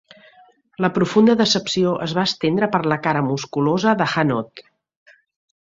La profunda decepció es va estendre per la cara musculosa de Hanaud.